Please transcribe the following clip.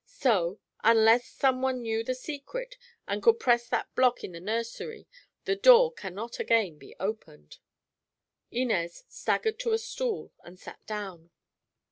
So, unless some one knew the secret and could press that block in the nursery, the door cannot again be opened." Inez staggered to a stool and sat down.